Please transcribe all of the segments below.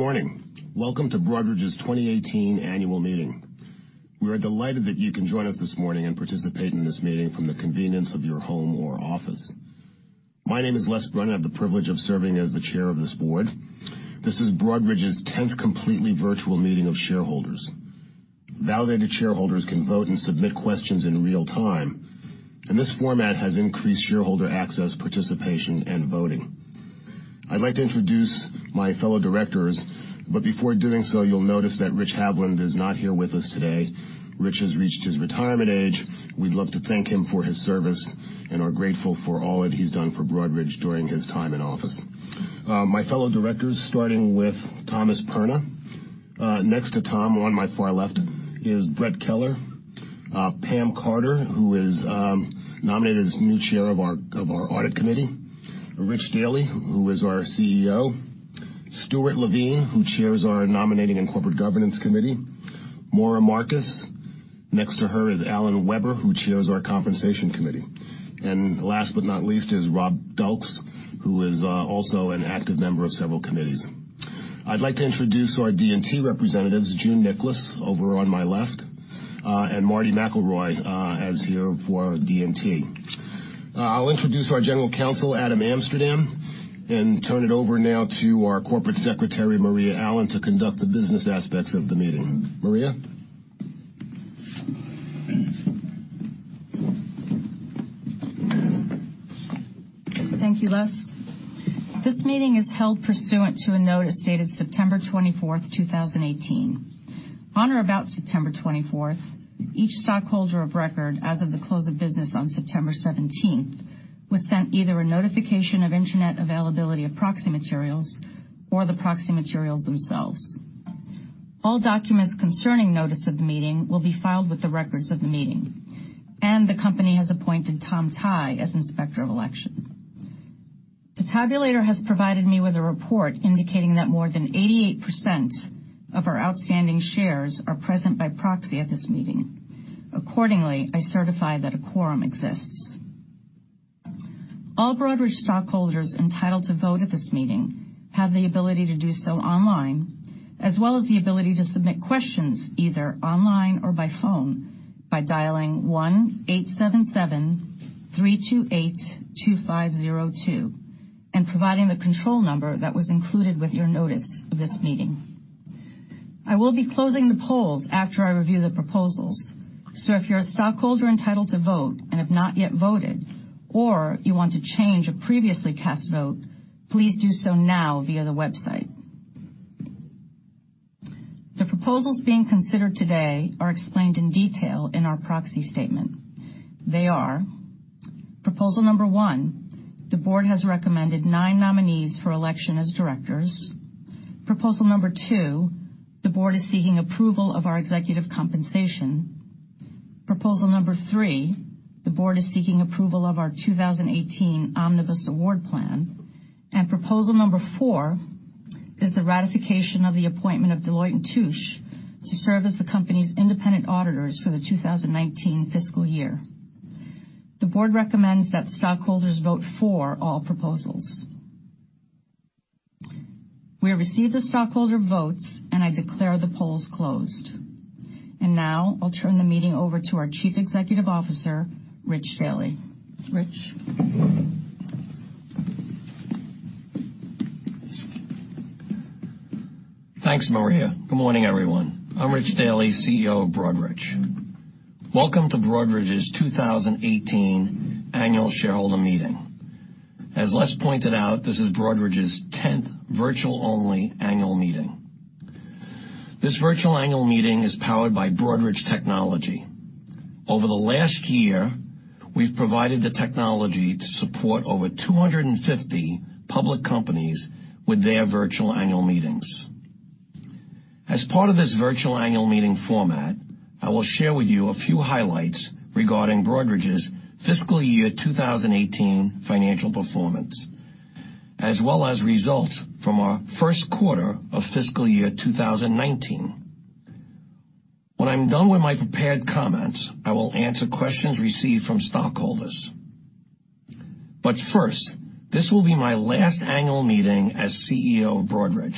Good morning. Welcome to Broadridge's 2018 annual meeting. We are delighted that you can join us this morning and participate in this meeting from the convenience of your home or office. My name is Les Brun. I have the privilege of serving as the chair of this board. This is Broadridge's 10th completely virtual meeting of shareholders. Validated shareholders can vote and submit questions in real-time, this format has increased shareholder access, participation, and voting. I'd like to introduce my fellow directors, before doing so, you'll notice that Rich Haviland is not here with us today. Rich has reached his retirement age. We'd love to thank him for his service and are grateful for all that he's done for Broadridge during his time in office. My fellow directors, starting with Thomas Perna. Next to Tom, on my far left, is Brett Keller. Pam Carter, who is nominated as the new chair of our audit committee. Rich Daly, who is our CEO. Stuart Levine, who chairs our nominating and corporate governance committee. Maura A. Markus. Next to her is Alan Weber, who chairs our compensation committee. Last but not least is Rob Duelks, who is also an active member of several committees. I'd like to introduce our D&T representatives, June Nicholas, over on my left, and Marty McElroy, as here for D&T. I'll introduce our general counsel, Adam Amsterdam, and turn it over now to our corporate secretary, Maria Allen, to conduct the business aspects of the meeting. Maria? Thank you, Les. This meeting is held pursuant to a notice dated September 24th, 2018. On or about September 24th, each stockholder of record as of the close of business on September 17th was sent either a notification of internet availability of proxy materials or the proxy materials themselves. All documents concerning notice of the meeting will be filed with the records of the meeting, the company has appointed Tom Tighe as Inspector of Election. The tabulator has provided me with a report indicating that more than 88% of our outstanding shares are present by proxy at this meeting. Accordingly, I certify that a quorum exists. All Broadridge stockholders entitled to vote at this meeting have the ability to do so online, as well as the ability to submit questions either online or by phone by dialing 1-877-328-2502 and providing the control number that was included with your notice of this meeting. I will be closing the polls after I review the proposals. If you're a stockholder entitled to vote and have not yet voted, or you want to change a previously cast vote, please do so now via the website. The proposals being considered today are explained in detail in our proxy statement. They are: proposal number one, the board has recommended nine nominees for election as directors. Proposal number two, the board is seeking approval of our executive compensation. Proposal number three, the board is seeking approval of our 2018 Omnibus Award Plan. Proposal number four is the ratification of the appointment of Deloitte & Touche to serve as the company's independent auditors for the 2019 fiscal year. The board recommends that stockholders vote for all proposals. We have received the stockholder votes. I declare the polls closed. Now I'll turn the meeting over to our Chief Executive Officer, Rich Daly. Rich? Thanks, Maria. Good morning, everyone. I'm Rich Daly, CEO of Broadridge. Welcome to Broadridge's 2018 annual shareholder meeting. As Les pointed out, this is Broadridge's 10th virtual-only annual meeting. This virtual annual meeting is powered by Broadridge technology. Over the last year, we've provided the technology to support over 250 public companies with their virtual annual meetings. As part of this virtual annual meeting format, I will share with you a few highlights regarding Broadridge's fiscal year 2018 financial performance, as well as results from our first quarter of fiscal year 2019. When I'm done with my prepared comments, I will answer questions received from stockholders. First, this will be my last annual meeting as CEO of Broadridge.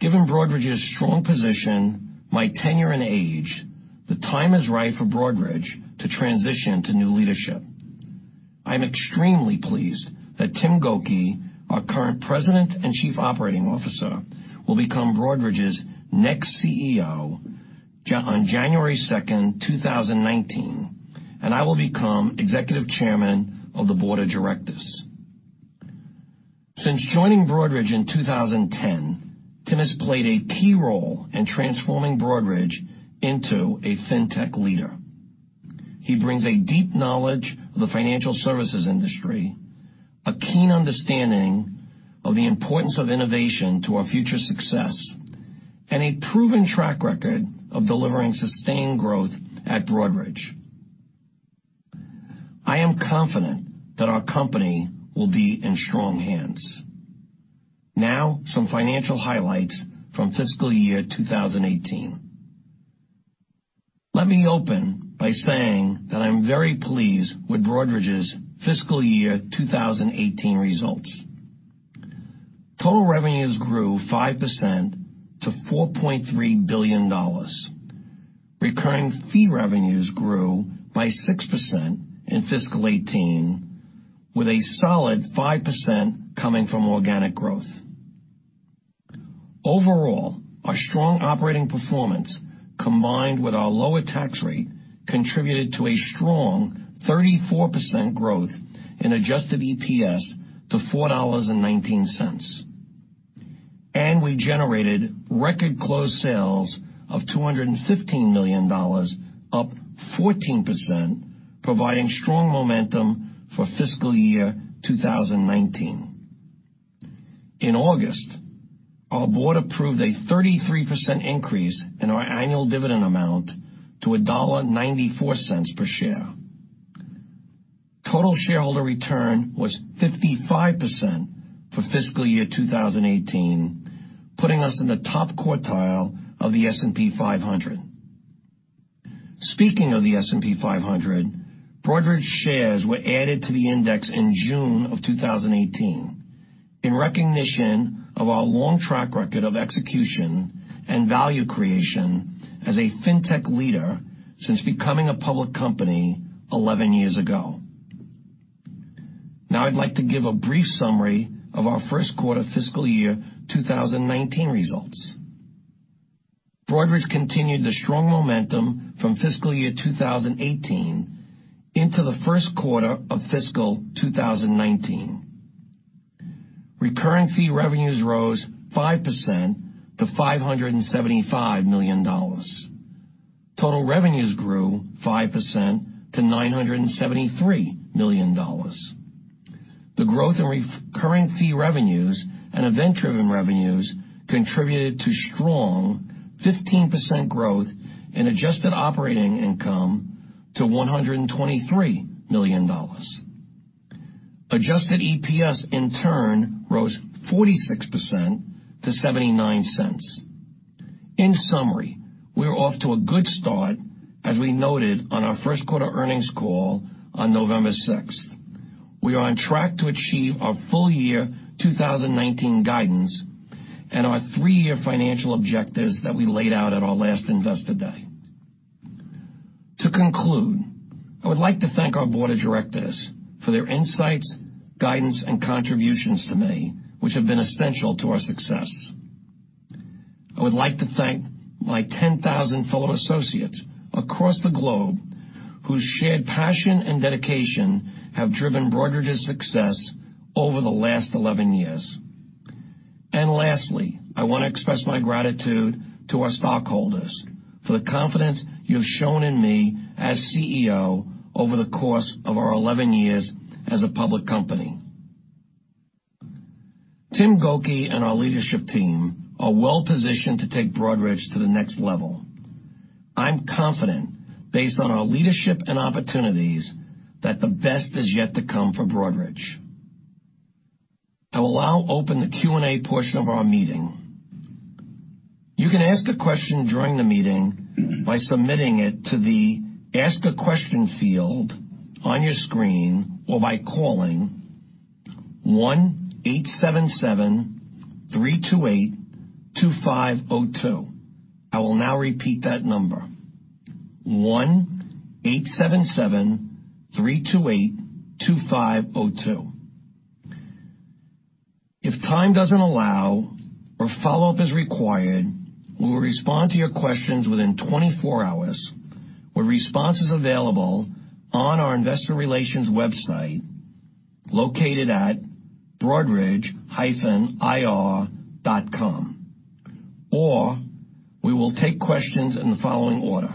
Given Broadridge's strong position, my tenure, and age, the time is right for Broadridge to transition to new leadership. I'm extremely pleased that Tim Gokey, our current President and Chief Operating Officer, will become Broadridge's next CEO on January 2nd, 2019, and I will become Executive Chairman of the Board of Directors. Since joining Broadridge in 2010, Tim has played a key role in transforming Broadridge into a fintech leader. He brings a deep knowledge of the financial services industry, a keen understanding of the importance of innovation to our future success, and a proven track record of delivering sustained growth at Broadridge. I am confident that our company will be in strong hands. Now, some financial highlights from fiscal year 2018. Let me open by saying that I'm very pleased with Broadridge's fiscal year 2018 results. Total revenues grew 5% to $4.3 billion. Recurring fee revenues grew by 6% in fiscal 2018, with a solid 5% coming from organic growth. Overall, our strong operating performance combined with our lower tax rate contributed to a strong 34% growth in Adjusted EPS to $4.19. We generated record close sales of $215 million, up 14%, providing strong momentum for fiscal year 2019. In August, our board approved a 33% increase in our annual dividend amount to $1.94 per share. Total shareholder return was 55% for fiscal year 2018, putting us in the top quartile of the S&P 500. Speaking of the S&P 500, Broadridge shares were added to the index in June of 2018, in recognition of our long track record of execution and value creation as a fintech leader since becoming a public company 11 years ago. I'd like to give a brief summary of our first quarter fiscal year 2019 results. Broadridge continued the strong momentum from fiscal year 2018 into the first quarter of fiscal 2019. Recurring fee revenues rose 5% to $575 million. Total revenues grew 5% to $973 million. The growth in recurring fee revenues and event-driven revenues contributed to strong 15% growth in Adjusted Operating income to $123 million. Adjusted EPS, in turn, rose 46% to $0.79. In summary, we are off to a good start, as we noted on our first quarter earnings call on November 6th. We are on track to achieve our full year 2019 guidance and our three-year financial objectives that we laid out at our last Investor Day. To conclude, I would like to thank our board of directors for their insights, guidance, and contributions to me, which have been essential to our success. I would like to thank my 10,000 fellow associates across the globe whose shared passion and dedication have driven Broadridge's success over the last 11 years. Lastly, I want to express my gratitude to our stockholders for the confidence you have shown in me as CEO over the course of our 11 years as a public company. Tim Gokey and our leadership team are well positioned to take Broadridge to the next level. I'm confident, based on our leadership and opportunities, that the best is yet to come for Broadridge. I will now open the Q&A portion of our meeting. You can ask a question during the meeting by submitting it to the Ask a Question field on your screen, or by calling 1-877-328-2502. I will now repeat that number. 1-877-328-2502. If time doesn't allow or follow-up is required, we will respond to your questions within 24 hours, with responses available on our investor relations website, located at broadridge-ir.com. We will take questions in the following order.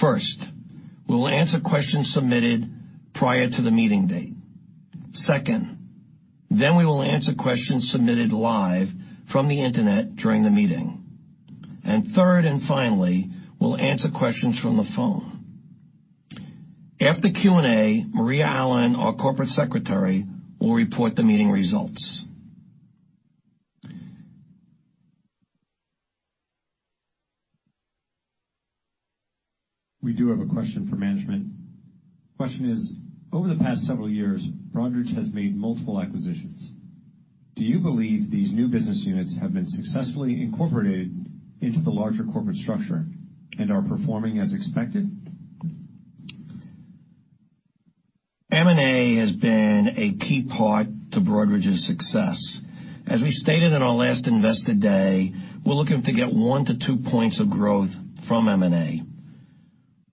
First, we'll answer questions submitted prior to the meeting date. Second, we will answer questions submitted live from the internet during the meeting. Third, and finally, we'll answer questions from the phone. After Q&A, Maria Allen, our Corporate Secretary, will report the meeting results. We do have a question for management. Question is, over the past several years, Broadridge has made multiple acquisitions. Do you believe these new business units have been successfully incorporated into the larger corporate structure and are performing as expected? M&A has been a key part to Broadridge's success. As we stated in our last Investor Day, we're looking to get one to two points of growth from M&A.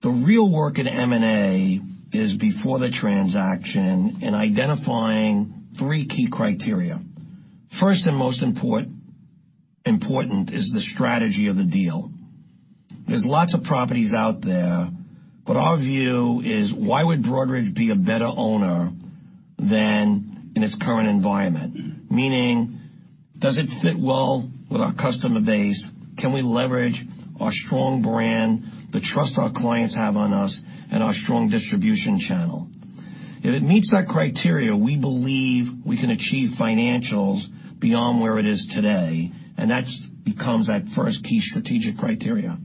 The real work in M&A is before the transaction in identifying three key criteria. First and most important is the strategy of the deal. There's lots of properties out there, but our view is, why would Broadridge be a better owner than in its current environment? Meaning, does it fit well with our customer base? Can we leverage our strong brand, the trust our clients have on us, and our strong distribution channel? If it meets that criteria, we believe we can achieve financials beyond where it is today, and that becomes that first key strategic criteria.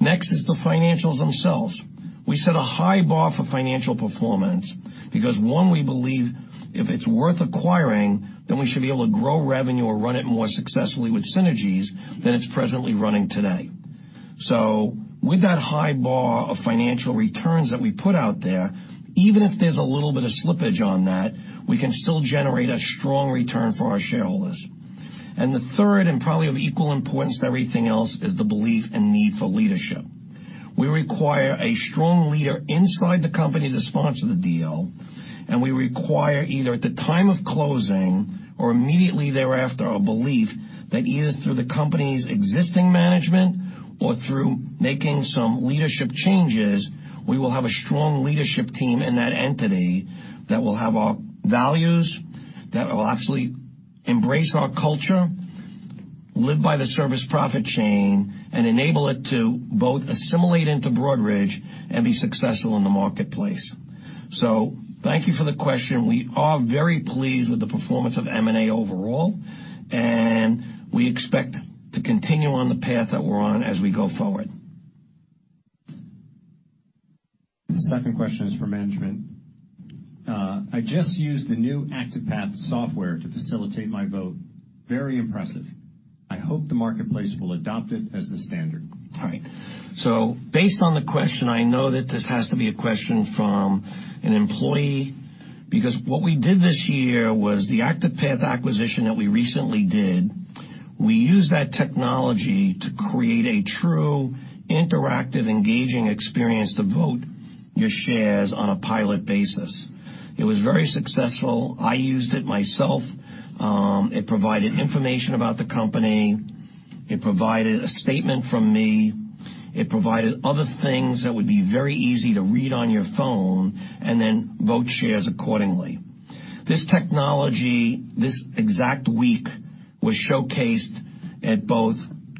Next is the financials themselves. We set a high bar for financial performance because one, we believe if it's worth acquiring, then we should be able to grow revenue or run it more successfully with synergies than it's presently running today. With that high bar of financial returns that we put out there, even if there's a little bit of slippage on that, we can still generate a strong return for our shareholders. The third, and probably of equal importance to everything else, is the belief and need for leadership. We require a strong leader inside the company to sponsor the deal, and we require either at the time of closing or immediately thereafter, a belief that either through the company's existing management or through making some leadership changes, we will have a strong leadership team in that entity that will have our values, that will absolutely embrace our culture, live by the Service-Profit Chain, and enable it to both assimilate into Broadridge and be successful in the marketplace. Thank you for the question. We are very pleased with the performance of M&A overall, and we expect to continue on the path that we're on as we go forward. The second question is for management. I just used the new ActivePath software to facilitate my vote. Very impressive. I hope the marketplace will adopt it as the standard. Based on the question, I know that this has to be a question from an employee, because what we did this year was the ActivePath acquisition that we recently did. We used that technology to create a true interactive, engaging experience to vote your shares on a pilot basis. It was very successful. I used it myself. It provided information about the company. It provided a statement from me. It provided other things that would be very easy to read on your phone and then vote shares accordingly. This technology, this exact week, was showcased at both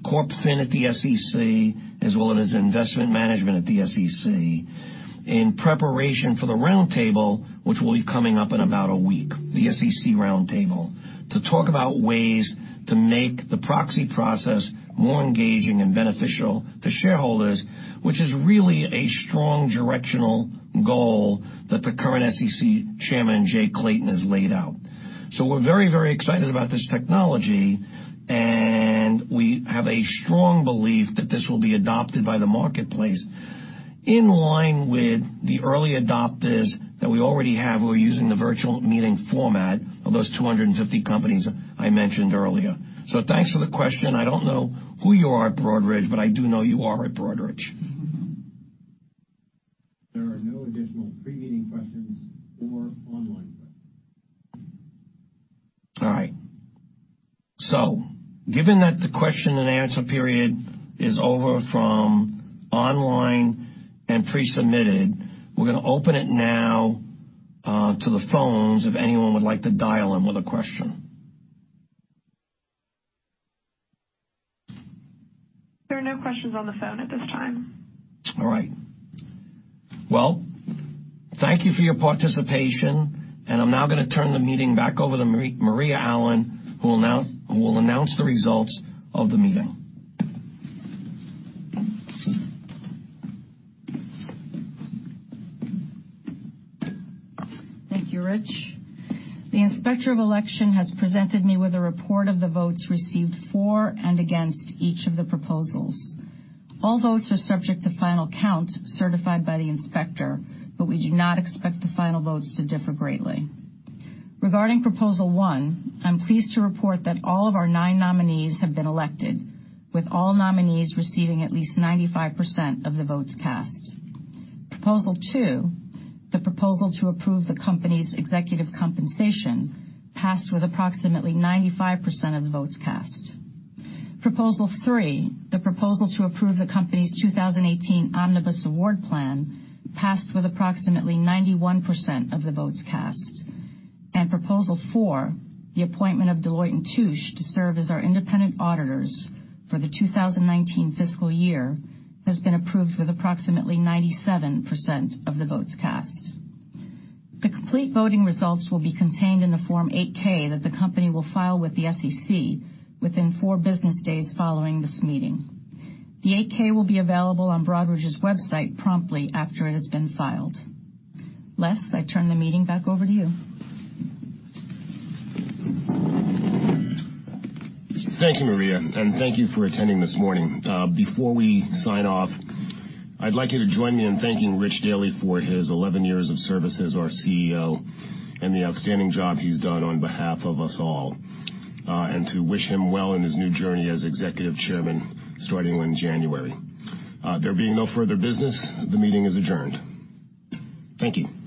Corp Fin at the SEC, as well as investment management at the SEC, in preparation for the roundtable, which will be coming up in about a week, the SEC roundtable, to talk about ways to make the proxy process more engaging and beneficial to shareholders, which is really a strong directional goal that the current SEC chairman, Jay Clayton, has laid out. We're very excited about this technology, and we have a strong belief that this will be adopted by the marketplace in line with the early adopters that we already have who are using the virtual meeting format of those 250 companies I mentioned earlier. Thanks for the question. I don't know who you are at Broadridge, but I do know you are at Broadridge. All right. Given that the question and answer period is over from online and pre-submitted, we're going to open it now to the phones if anyone would like to dial in with a question. There are no questions on the phone at this time. All right. Well, thank you for your participation. I'm now going to turn the meeting back over to Maria Allen, who will announce the results of the meeting. Thank you, Rich. The Inspector of Election has presented me with a report of the votes received for and against each of the proposals. All votes are subject to final count certified by the Inspector, but we do not expect the final votes to differ greatly. Regarding Proposal one, I'm pleased to report that all of our nine nominees have been elected, with all nominees receiving at least 95% of the votes cast. Proposal two, the proposal to approve the company's executive compensation, passed with approximately 95% of the votes cast. Proposal three, the proposal to approve the company's 2018 Omnibus Award Plan, passed with approximately 91% of the votes cast. Proposal four, the appointment of Deloitte & Touche to serve as our independent auditors for the 2019 fiscal year, has been approved with approximately 97% of the votes cast. The complete voting results will be contained in the Form 8-K that the company will file with the SEC within four business days following this meeting. The 8-K will be available on Broadridge's website promptly after it has been filed. Les, I turn the meeting back over to you. Thank you, Maria, and thank you for attending this morning. Before we sign off, I'd like you to join me in thanking Rich Daly for his 11 years of service as our CEO and the outstanding job he's done on behalf of us all, and to wish him well in his new journey as executive chairman starting in January. There being no further business, the meeting is adjourned. Thank you.